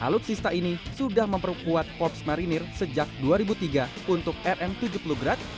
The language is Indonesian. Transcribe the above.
alutsista ini sudah memperkuat korps marinir sejak dua ribu tiga untuk rm tujuh puluh grad